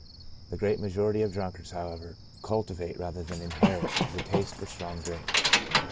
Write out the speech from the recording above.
The great majority of drunkards, however, culti vate, rather than inherit, the taste for strong drink.